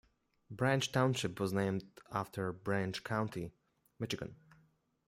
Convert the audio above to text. Branch Township was named after Branch County, Michigan.